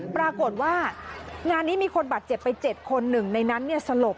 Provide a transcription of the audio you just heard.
ปรากฏว่างานนี้มีคนบาดเจ็บไป๗คนหนึ่งในนั้นสลบ